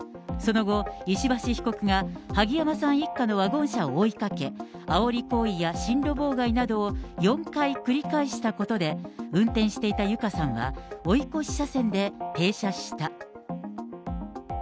その後、石橋被告が萩山さん一家のワゴン車を追いかけ、あおり行為や進路妨害などを４回繰り返したことで、運転していた友香さんは、追い越し車線で停車した。